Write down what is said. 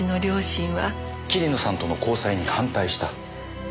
桐野さんとの交際に反対した。